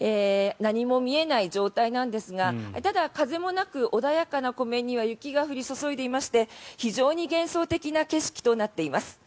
何も見えない状態がなんですがただ、風もなく穏やかな湖面には雪が降り注いでいまして非常に幻想的な景色となっています。